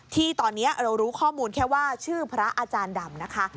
ที่ตอนนี้เรารู้ข้อมูลแค่ว่าชื่อพระอาจารย์ดำนะคะ